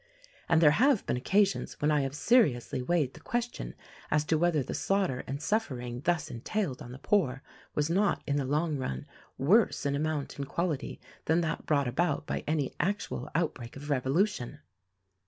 And there have been occasions when I have seriously weighed the question as to whether the slaughter and suffering thus entailed on the poor was not in the long run worse in amount and quality than that brought about by any actual outbreak of revolution."